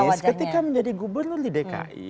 pak anies ketika menjadi gubernur di dki